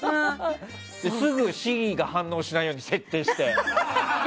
すぐｓｉｒｉが反応しないように設定して。